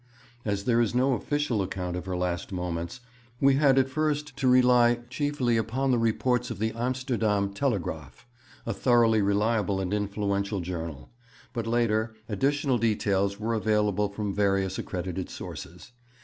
As there is no official account of her last moments, we at first had to rely chiefly upon the report of the Amsterdam Telegraaf, a thoroughly reliable and influential journal; but later, additional details were available from various accredited sources.